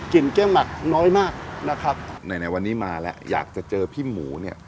แก้หมักน้อยมากนะครับในในวันนี้มาแล้วอยากจะเจอพี่หมูเนี่ย